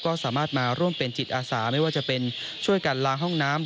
ก็สามารถมาร่วมเป็นจิตอาสาไม่ว่าจะเป็นช่วยกันล้างห้องน้ำ